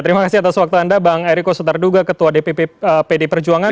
terima kasih atas waktu anda bang eriko sotarduga ketua dpp pd perjuangan